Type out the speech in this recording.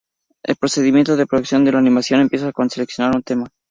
El procedimiento de producción de la animación empieza con seleccionar un tema.